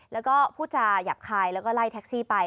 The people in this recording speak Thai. แล้วก็พูดจาหยาบคายแล้วก็ไล่แท็กซี่ไป